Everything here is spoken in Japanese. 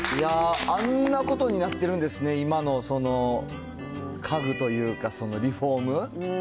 あんなことになってるんですね、今のその家具というか、リフォーム。